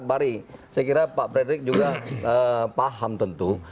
saya kira pak fredrik juga paham tentu